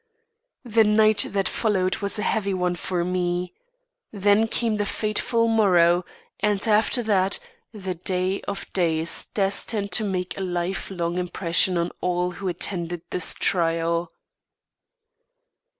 The night that followed was a heavy one for me. Then came the fateful morrow, and, after that, the day of days destined to make a life long impression on all who attended this trial.